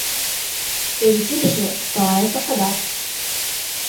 Теве тидыже — тыланет пашадар.